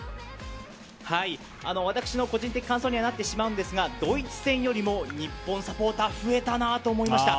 私の個人的感想にはなってしまうんですがドイツ戦よりも日本サポーターが増えたなと思いました。